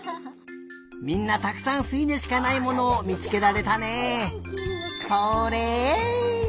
みんなたくさんふゆにしかないものをみつけられたね。